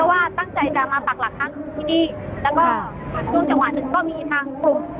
ว่าตั้งใจจะมาปักหลักค้างอยู่ที่นี่แล้วก็ช่วงจังหวะหนึ่งก็มีทางกลุ่ม